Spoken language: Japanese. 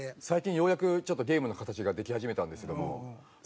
最近ようやくちょっとゲームの形ができ始めたんですけども。